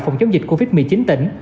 phòng chống dịch covid một mươi chín tỉnh